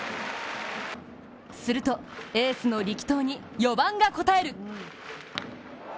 するとエースの力投に４番が応える。